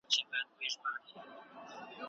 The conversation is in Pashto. افغانانو د خسرو خان مقابله څنګه وکړه؟